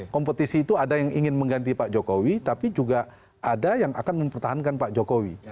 kompetisi itu ada yang ingin mengganti pak jokowi tapi juga ada yang akan mempertahankan pak jokowi